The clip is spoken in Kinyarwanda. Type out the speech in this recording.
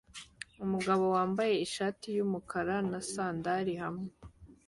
Umugabo wambaye ishati yumukara na sandali hamwe